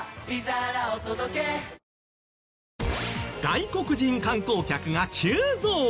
外国人観光客が急増！